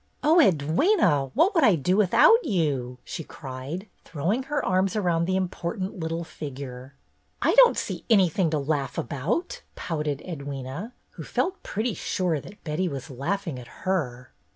"Oh, Edwyna, what would I do without you 1 " she cried, throwing her arms round the important little figure. "I don't see anything to laugh about," pouted Edwyna, who felt pretty sure that Betty was laughing at her.